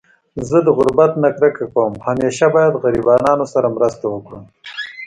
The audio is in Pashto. زه د غربت نه کرکه کوم .همیشه باید غریبانانو سره مرسته وکړو